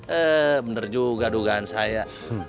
eh benar juga dugaan saya